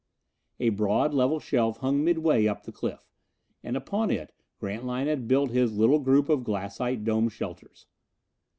A broad level shelf hung midway up the cliff, and upon it Grantline had built his little group of glassite dome shelters.